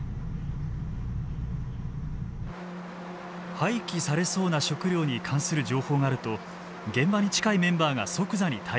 廃棄されそうな食料に関する情報があると現場に近いメンバーが即座に対応。